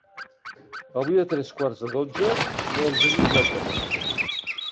Avui a tres quarts de dotze no engeguis la tele.